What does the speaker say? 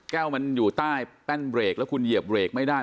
แก้วมันอยู่ใต้แป้นเบรกแล้วคุณเหยียบเบรกไม่ได้